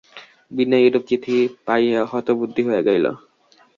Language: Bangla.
বিনয় এরূপ চিঠি পাইয়া হতবুদ্ধি হইয়া গেল।